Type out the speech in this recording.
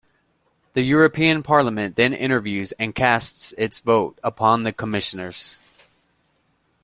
The European Parliament then interviews and casts its vote upon the Commissioners.